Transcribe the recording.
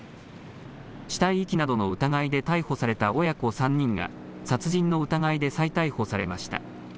死体遺棄などの疑いで逮捕された親子３人が殺人の疑いで再逮捕されました。